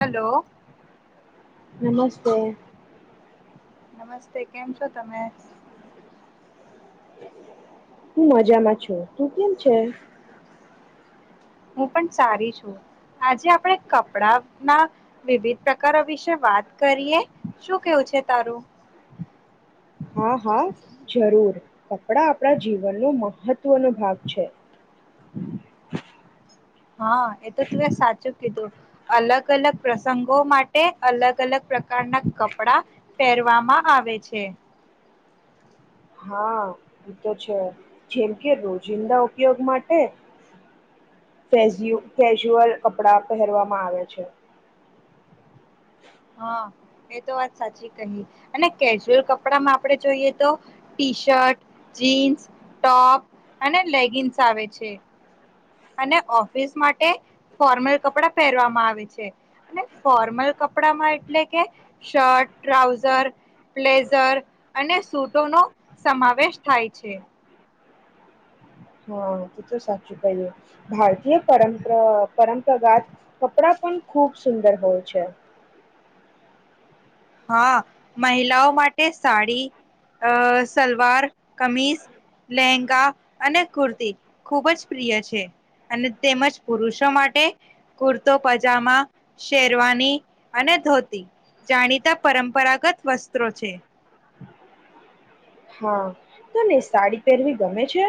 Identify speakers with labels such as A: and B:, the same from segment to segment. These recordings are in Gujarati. A: હલો [inaudible]
B: નમસ્તે [inaudible]
A: નમસ્તે કેમ છો તમે? [inaudible]
B: હું મજામાં છું તું કેમ છે.?
A: હું પણ સારી છું. આજે આપણે કપડા ના. વિવિધ, પ્રકારો વિશે વાત કરીએ શું? કેવું છે? તારું.
B: હા, હા, જરૂર કપડા આપણા જીવનનો મહત્વનો ભાગ છે.
A: હા, એ તો તું એ સાચું કીધું અલગ અલગ પ્રસંગો માટે અલગ અલગ પ્રકારના કપડા પહેરવામાં આવે છે.
B: હા તો, છે જેમ કે રોજિંદા ઉપયોગ માટે ફઝુઅલ કપડા પહેરવામાં આવે છે.
A: હા એ તો વાત સાચી કહી અને કેજ્યુઅલ કપડામાં આપણે જોઈએ? તો ટી શર્ટ જીન્સ ટોપ અને લેગિન્સ આવે છે. અને ઓફ [inaudible] માટે, ફોર્મલ કપડા પહેરવામાં આવે છે અને ફોર્મલ કપડામાં એટલે. કે, શર્ટ ટ્રાઉઝર, પ્લેઝર, અને સુૂટો નો સમાવેશ થાય છે.
B: હા, તે તો સાચું કઈ ભારતીય પરંપરા પરંપરાગાત. કપડા પણ ખૂબ. સુંદર હોય છે.?
A: હા, મહિલાઓ માટે સાડી, અ સલવાર કમીસ લહેંગા અને કુર્તી ખૂબ જ પ્રિય છે. અને તેમજ પુરુષો માટે કુર્તો, પજામા શેરવાની અને ધોતી જાણી. પરંપરાગત વસ્ત્રો છે.
B: હા, તને સાડી પહેરવી ગમે છે.?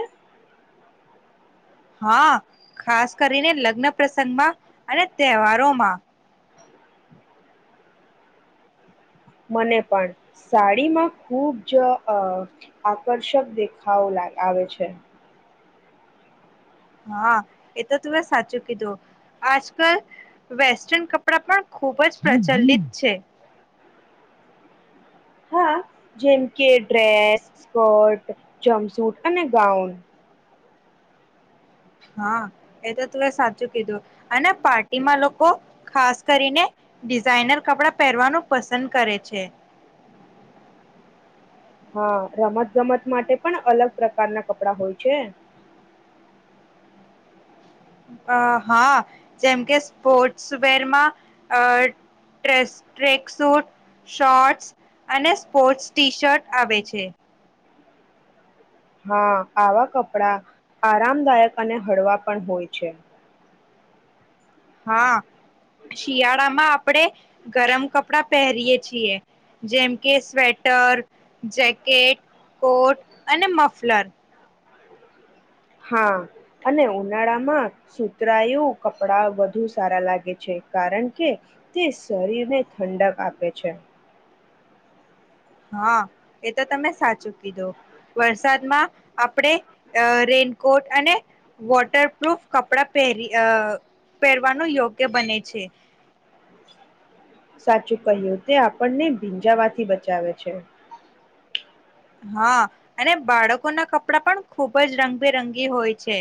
A: હા, ખાસ કરીને લગ્ન પ્રસંગ માં. અને તહેવારોમાં.
B: મને, પણ સાડીમાં ખુબ જ આકર્ષક દેખાવો આવે છે.
A: હા, એ તો તું સાચું કીધું આજ કલ વેસ્ટર્ન કપડા પણ ખુબ જ પ્રચલિત છે.
B: હા જેમ કે ડ્રેસ સ્કર્ટ જમસૂટ અને ગાઉન.
A: હા એ તો તું એ સાચું કીધું અને પાર્ટીમાં લોકો ખાસ કરીને ડિઝાઈનર કપડા પહેરવાનું પસંદ કરે છે.
B: હા રમત ગમત માટે પણ અલગ પ્રકારના કપડા હોય છે.
A: અ હા જેમ કે સ્પોર્ટ્સ વેરમાં આ ડેસ્ટ્રિંગ સૂટ શોર્ટ્સ અને સ્પોર્ટ્સ ટી શર્ટ આવે છે.
B: હા આવા કપડા આરામદાયક અને હળવા પણ હોય છે.
A: હા. શિયાળામાં આપણેે ગરમ કપડા પહેરીયીએ છીએ જેમ કે સ્વેટર જેકેટ કોટ અને મફલર.
B: હા અને ઉનાળામાં સુતરાયું કપડા વધુ સારા લાગે છે કારણ કે તે શરીરને ઠંડક આપે છે.
A: હા એ તો તમે સાચું કીધો વર્ષ વરસાદમાં આપડે અ રેનકોટ અને વોટરપ્રૂફ કપડા પહેરી આ પહેરવાનું યોગ્ય બને છે.
B: સાચું કહ્યું તે આપણને ભીંજાવાથી બચાવે છે.
A: હા અને બાળકોના કપડા પણ ખુબ જ રંગબેરંગી હોય છે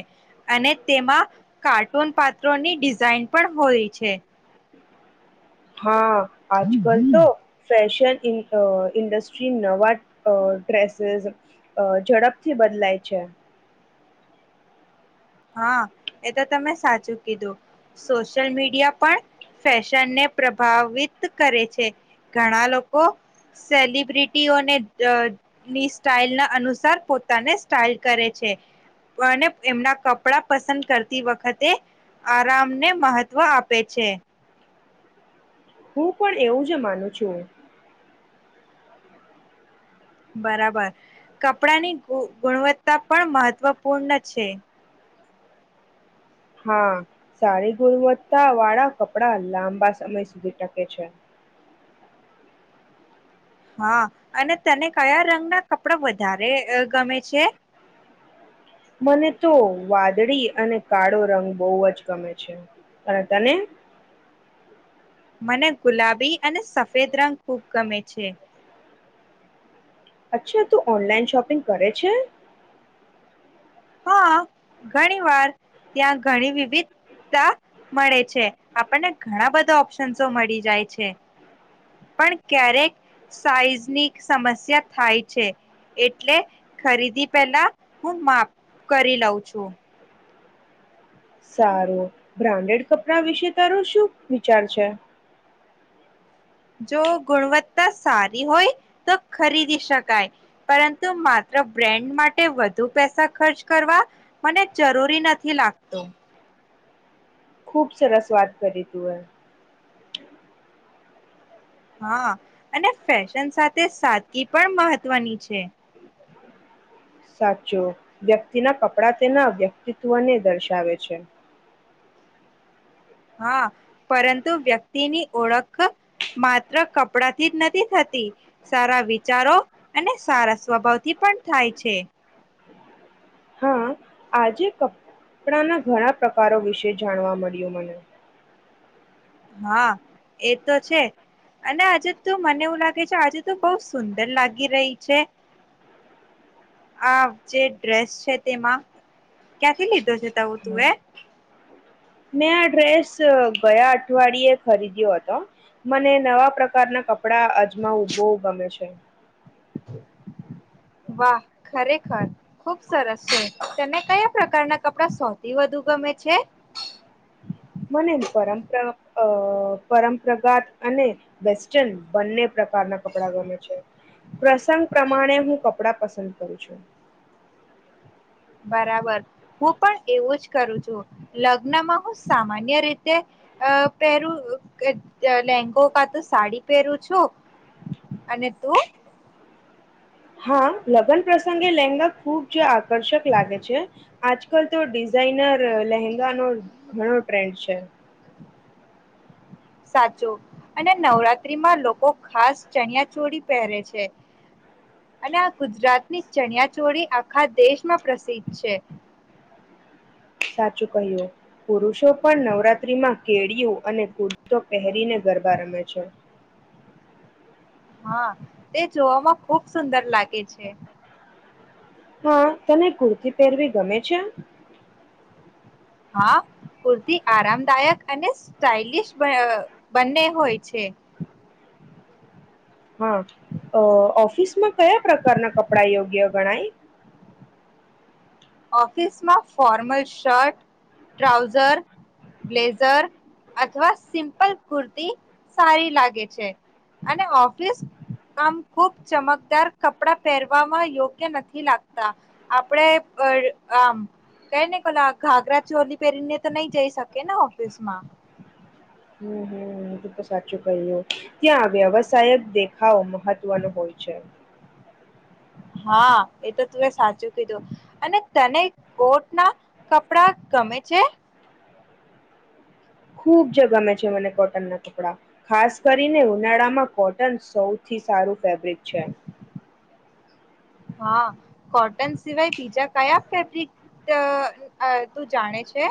A: અને તેમાં કાટ ટોન પાત્રોની ડિઝાઇન પણ હોય છે.
B: હા આજકાલ તો ફેશન ઇન આ ઇન્ડસ્ટ્રી નવા આ ડ્રેસીસ ઝડપથી બદલાય છે.
A: હા એ તો તમે સાચું કીધું સોશિયલ મીડિયા પણ ફેશનને પ્રભાવિત કરે છે ઘણા લોકો સેલિબ્રિટીઓને આ ની સ્ટાઇલ ના અનુ તર પોતાને સ્ટાઈલ કરે છે મને એમના પપ પસંદ કરતી વખતે આરામને મહત્વ આપે છે.
B: હું પણ એવું જ માનું છું.
A: બરાબર કપડાની ગુ ગુણવત્તા પણ મહત્વપૂર્ણ છે.
B: હા સારી ગુણવત્તા વાળા કપડા લાંબા સમય સુધી ટકે છે.
A: હા અને તને કયા રંગના કપડા વધારે આ ગમે છે.
B: મને તો વાદળી અને કાળો રંગ બહુ જ ગમે છે અને તને.
A: મને ગુલાબી અને સફેદ રંગ ખૂબ ગમે છે.
B: અચ્છા તું ઓનલાઈન શોપિંગ કરે છે.
A: હા ઘણી વાર ત્યાં ઘણી વિવિધતા મળે છે આપણને ઘણા બધા ઓપ્શન્સ મળી જાય છે પણ ક્યારેક સાઈઝની સમસ્યા થાય છે એટલે ખરીદી પહેલા હું માપ કરી લઉં છું.
B: સારું બ્રાન્ડેડ કપડાં વિશે તારો શું વિચાર છે.
A: જો ગુણવત્તા સારી હોય તો ખરીદી શકાય પરંતુ માત્ર બ્રેન્ડ માટ ટે વધુ પૈસા ખર્ચ કરવા મને જરૂરી નથી લાગતો.
B: ખૂબ સરસ વાત કરી તુંએ.
A: હા અને ફેશન સાથે સાદગી પણ મહત્વની છે.
B: સાચું વ્યક્તિના કપડા તેના વ્યક્તિત્વને દર્શાવે છે.
A: હા પરંતુ વ્યક્તિની ઓળખ માત્ર કપડાથી જ નથી થતી સારા વિચારો અને સારા સ્વભાવથી પણ થાય છે.
B: હા આજે કપડાંના ઘણા પ્રકારો વિશે જાણવા મળ્યું મને.
A: હા એ તો છે અને આજે તું મને એવું લાગે છે આજે તો બહુ સુંદર લાગી રહી છે. આ જે ડ્રેસ છે તેમાં. ક્યાંથી લીધો છે તાવુ તું
B: હમ.
A: એ.
B: મેં આ ડ્રેસ ગયા અઠવાડિયે ખરીદ્યો હતો મને નવા પ્રકારના કપડા અજમાવું ખૂબ ગમે છે.
A: વાહ, ખરેખર ખુબ સરસ છે, તને કયા પ્રકારના કપડા સોથી વધુ ગમે છે
B: મને, પરંપરા પરંપરાગાત અને વેસ્ટન બંને પ્રકારના કપડા ગમે છે પ્રસંગ પ્રમાણે હું કપડા પસંદ કરું છું
A: બરાબર હું, પણ એવું જ કરું છું લગ્નમાં હું, સામાન્ય અન્ય રીતે અ પહેરું લેંગો કા તું સાડી પહેરું છું અને તું
B: હા, લગ્ન પ્રસંગે લહેંગા ખુબ જ આકર્ષક લાગે છે આજકાલ તો ડિઝાઇનર લહેંગાનો ઘણો ટ્રેન્ડ છે.
A: સાચું, અને નવરાત્રીમાં લોકો ખાસ ચણિયા ચોડી પહેરે છે અને ગુજરાતની ચણિયાચોળી આખા દેશમાં પ્રસિદ્ધ છે.
B: સાચું કહ્યું, પુરુષો પણ નવરાત્રીમાં કેડિયું અને કુરતો પહેરીને ગરબા રમે છે
A: હા, તે જોવામાં ખુબ સુંદર લાગે છે
B: હા, તને કુર્તી પહેરવી ગમે છે.
A: હા કુર્તી આરામદાયક અને સ્ટાઇલિશ બને હોય છે.
B: હા, ઓફિસમાં કયા પ્રકારના કપડા યોગ્ય ગણાય?
A: ઓફિસમાં ફોર્મલ શર્ટ ટ્રાઉઝર બ્લેઝર અથવા સિમ્પલ કુર્તી સારી લાગે છે. અને ઓફિસ કામ ખુબ ચમકદાર કપડા પહેરવામાં યોગ નથી, લાગતા આપણેે આમ, કઈ ને કો ઘાાગરા ચોલી પહેરીને તો નહી જઈ શકે ને ઓફિસ માં?
B: હમ હમું તો તો સાચું કહી્યું ત્યાં વ્યવસાય દેખાવો મહત્વનો હોય છે.
A: હા એ તો તું એ સાચું કીધું અને તને કોટ ના કપડા ગમે છે.?
B: ખૂબ જ ગમે છે. મને કોટન ના કપડા ખાસ કરીને ઉનાળામાં કોટન સૌથી સારું ફેબ્રિક છે.
A: હા, કોટન સિવાય બીજા કયા ફેબ્રિક તું જાણે છે?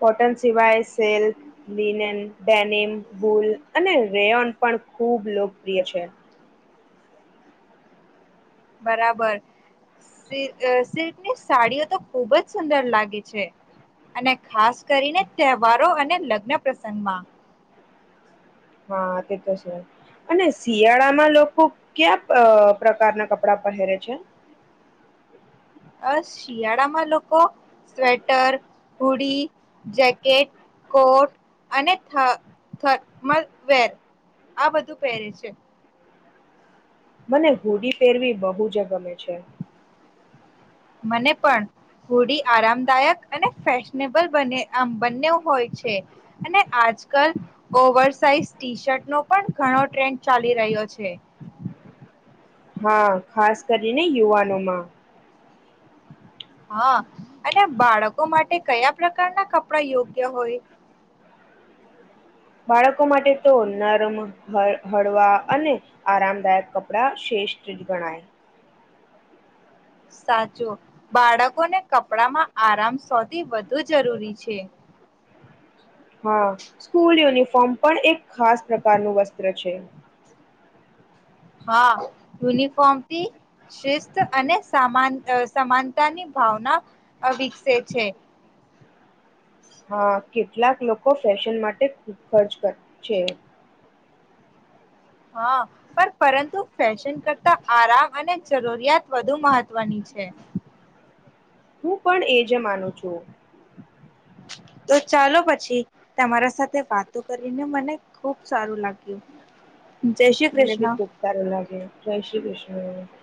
B: કોટન સિવાય સિલ્ક લિનન ડેનિમ પુલ અને રેયોન પણ ખૂબ લોકપ્રિય છે.
A: બરાબર, સિલ્કની સાડીઓ તો ખુબ જ સુંદર લાગે છે. અને ખાસ. કરીને તહેવારો અને લગ્ન પ્રસંગ માં
B: હા તે તો છે અને શિયાળામાં લોકો ક્યા પ્રકારના કપડા પહેરે છે?
A: અ શિયાળામાં લોકો સ્વેટર હોુડી જેકેટ કોટ અને થ થમ વર આ બધું પહેરે છે
B: મને હોુડી પેરવી બહુ જ ગમે છે.
A: મને પણ હોુડી આરામદાયક અને ફેશનેબલ આમ બન્ને હોય છે? અને આજકાલ ઓવર સાઇઝ ટી શર્ટનો પણ ઘણો ટ્રેન્ડ ચાલી રહ્યો છે.
B: હા, ખાસ કરીને યુવાનોમાં
A: હા, અને બાળકો માટે કયા પ્રકારના કપડા યોગ્ય હોય?
B: બાળકો માટે તો નરમ હળવા અને આરામદાયક કપડા શ્રેષ્ઠ જ ગણાય.
A: સાચું, બાળકોને કપડા માં આરામ સોધી વધ શ જરૂરી છે.
B: હા, સ્કૂલ યુનિફોર્મ પણ એક ખાસ પ્રકારનું વસ્ત્ર છે.
A: હા [inaudible] પતી શિસ્ત અને સામાન. અ સમાનતાની ભાવના વિકસે છે.
B: હા, કેટલાક લોકો ફેશન માટે ખૂબ ખર્ચ છે.
A: હા, પણ પરંતુ ફેશન કરતા આરામ અને જરૂરિયાત વધુ મહત્વની છે.
B: હું પણ એ જ માનું છું.
A: તો ચાલો પછી તમારા. સાથે વાતો કરીને મને ખુબ સારું લાગ્યું, જય શ્રી કૃષ્ણ.
B: હમ [inaudible] [unintelligible]